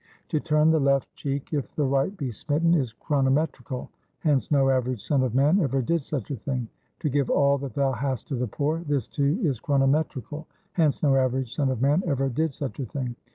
To turn the left cheek if the right be smitten, is chronometrical; hence, no average son of man ever did such a thing. To give all that thou hast to the poor, this too is chronometrical; hence no average son of man ever did such a thing.